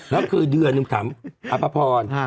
แล้วคือเดือนอภพร